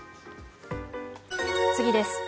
次です。